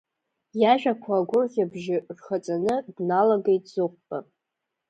Иажәақәа агәырӷьабжьы рхаҵаны, дналагеит Зыхәба.